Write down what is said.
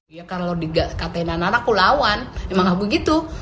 ya kalau dikatain anak anak kulawan emang aku gitu